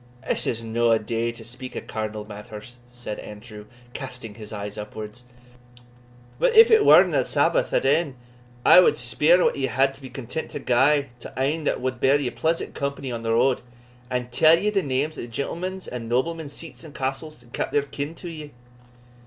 "This is no a day to speak o' carnal matters," said Andrew, casting his eyes upwards; "but if it werena Sabbath at e'en, I wad speer what ye wad be content to gie to ane that wad bear ye pleasant company on the road, and tell ye the names of the gentlemen's and noblemen's seats and castles, and count their kin to ye?"